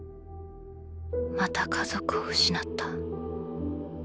また家族を失った。